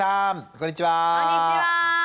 こんにちは。